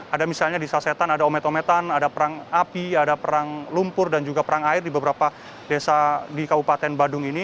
ada misalnya di sasetan ada omet ometan ada perang api ada perang lumpur dan juga perang air di beberapa desa di kabupaten badung ini